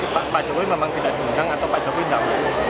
pak jokowi memang tidak diundang atau pak jokowi tidak mau